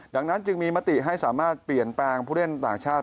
ดังนั้นจึงมีมติให้สามารถเปลี่ยนแปลงผู้เล่นต่างชาติ